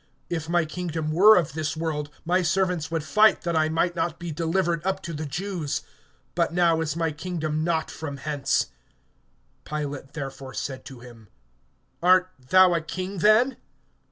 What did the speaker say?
If my kingdom were of this world, my servants would fight, that I might not be delivered up to the Jews; but now is my kingdom not from hence. (37)Pilate therefore said to him: Art thou a king then?